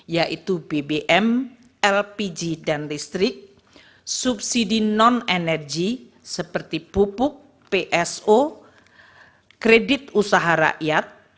yaitu bbm lpg dan listrik subsidi non energi seperti pupuk pso kredit usaha rakyat